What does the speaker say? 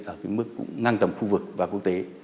ở mức ngang tầm khu vực và quốc tế